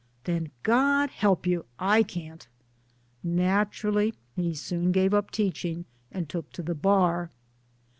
then God help you, I can't !" Naturally he soon gave up teaching and took to the Bar.